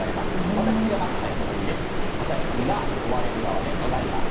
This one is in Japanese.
私がまず最初、鬼でアサヒ君が追われる側でございます。